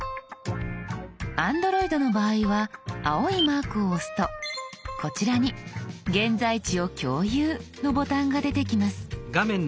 Ａｎｄｒｏｉｄの場合は青いマークを押すとこちらに「現在地を共有」のボタンが出てきます。